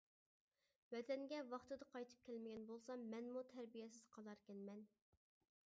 ۋەتەنگە ۋاقتىدا قايتىپ كەلمىگەن بولسام، مەنمۇ تەربىيەسىز قالاركەنمەن.